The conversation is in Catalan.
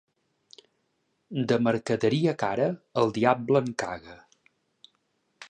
De mercaderia cara, el diable en caga.